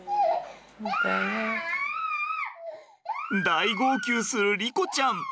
大号泣する莉子ちゃん。